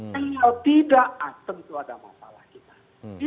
kalau tidak tentu ada masalah kita